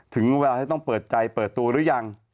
ถึงเวลาที่ต้องเปิดใจเปิดตัวหรือยัง